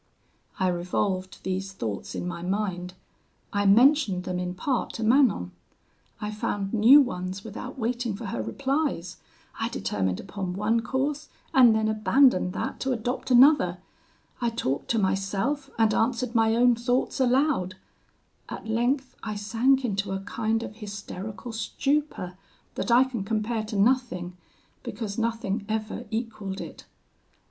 "I revolved these thoughts in my mind; I mentioned them in part to Manon; I found new ones, without waiting for her replies; I determined upon one course, and then abandoned that to adopt another; I talked to myself, and answered my own thoughts aloud; at length I sank into a kind of hysterical stupor that I can compare to nothing, because nothing ever equalled it.